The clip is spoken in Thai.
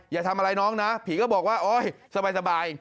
อย่าทำอะไรน้องนะผีก็บอกว่าโอ๊ยสบาย